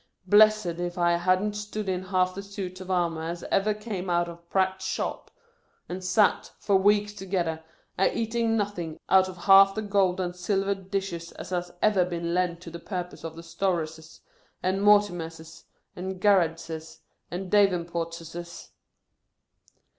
Bi if I ha'n't stood in half the suits of armour as ever came out of Pratts's shop • and sat, for weeks together, a eating nothing, out of half the gold and silver dishes as has ever been lent for the purpose out of Storrses, and Mor timerses, or Garni rdses, and Davenportseseses."